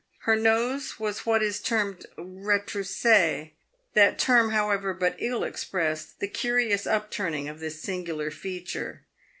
Her nose was what is termed retrousse; that term, however, but ill expressed the curious upturning of this singular feature.